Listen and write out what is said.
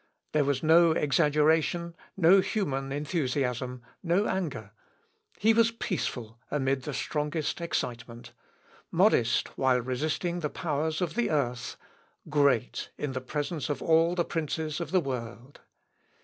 There was no exaggeration, no human enthusiasm, no anger; he was peaceful amid the strongest excitement; modest, while resisting the powers of the earth; great, in presence of all the princes of the world.